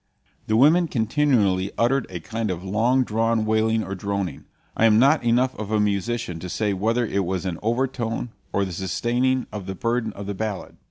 The women continually uttered a kind of long drawn wailing or droning; I am not enough of a musician to say whether it was an overtone or the sustaining of the burden of the ballad.